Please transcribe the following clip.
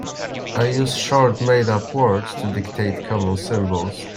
I use short made-up words to dictate common symbols.